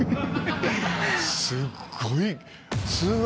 すっごい。